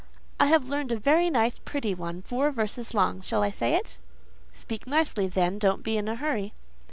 "I have learned a very pretty one, four verses long. Shall I say it?" "Speak nicely, then: don't be in a hurry."